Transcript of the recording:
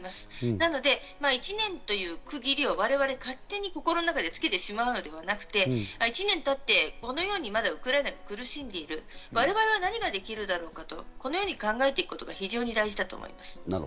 なので１年という区切りを我々、勝手に心の中でつけてしまうのではなくて、１年経って、このようにまだウクライナが苦しんでいる、我々は何ができるんだろうかと、このように考えていくことが非常に大事だと思います。